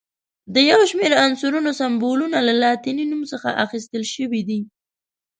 د یو شمېر عنصرونو سمبولونه له لاتیني نوم څخه اخیستل شوي دي.